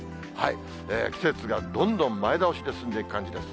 季節がどんどん前倒しで進んでいく感じです。